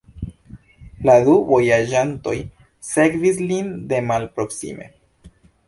La du vojaĝantoj sekvis lin de malproksime.